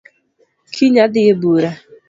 Kiny adhi e bura